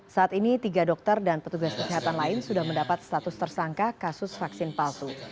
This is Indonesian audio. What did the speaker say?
saat ini tiga dokter dan petugas kesehatan lain sudah mendapat status tersangka kasus vaksin palsu